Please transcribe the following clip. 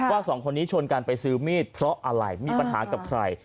สองคนนี้ชวนกันไปซื้อมีดเพราะอะไรมีปัญหากับใคร